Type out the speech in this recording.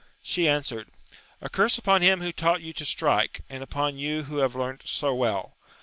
She answered, A curse upon him who taught you to strike, and upon you who have learnt so well